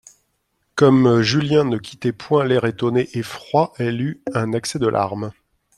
Comme Julien ne quittait point l'air étonné et froid elle eut un accès de larmes.